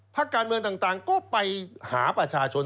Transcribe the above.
พักการเมืองต่างก็ไปหาประชาชน